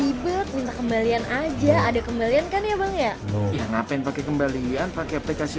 bebek minta kembalian aja ada kembalian kan ya bang ya ngapain pakai kembalian pakai aplikasi